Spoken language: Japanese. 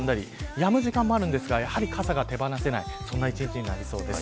やむ時間もあるんですがやはり傘が手放せないそんな１日になりそうです。